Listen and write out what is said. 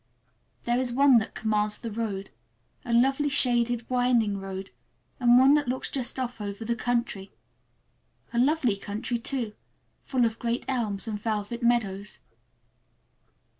There is one that commands the road, a lovely, shaded, winding road, and one that just looks off over the country. A lovely country, too, full of great elms and velvet meadows.